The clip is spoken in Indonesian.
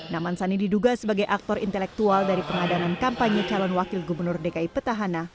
naman sani diduga sebagai aktor intelektual dari pengadanan kampanye calon wakil gubernur dki petahana